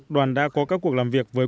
đoàn đã có các cuộc làm việc với